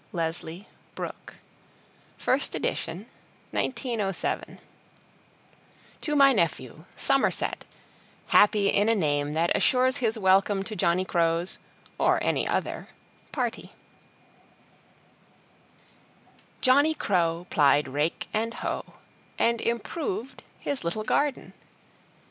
LESLIE BROOKE First Edition, 1907 TO MY NEPHEW SOMERSET HAPPY IN A NAME THAT ASSURES HIS WELCOME TO JOHNNY CROW'S OR ANY OTHER PARTY Johnny Crow Plied Rake and Hoe And improved his little Garden.